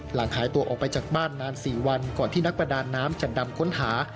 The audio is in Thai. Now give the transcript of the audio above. หลังหายตัวออกไปจากบ้านนาน๔วันก่อนที่นักประดาน้ำจะดำค้นหา